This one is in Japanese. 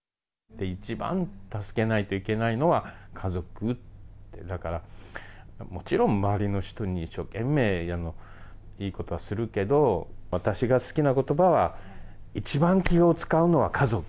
一番助けないといけないのは家族って、だから、もちろん周りの人に一生懸命、いいことはするけど、私が好きなことばは、一番気を遣うのは家族。